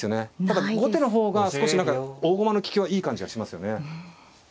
ただ後手の方が少し何か大駒の利きはいい感じがしますよね。